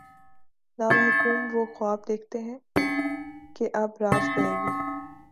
نہ محکوم وہ خواب دیکھتے ہیں کہ:''اب راج کرے گی۔